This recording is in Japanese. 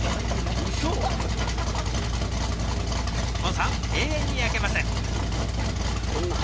今さん永遠に焼けません。